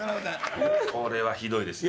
これはひどいですね。